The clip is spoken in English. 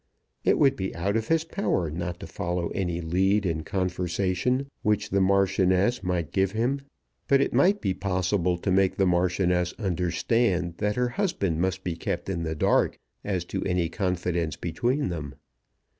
It would be out of his power not to follow any lead in conversation which the Marchioness might give him. But it might be possible to make the Marchioness understand that her husband must be kept in the dark as to any confidence between them.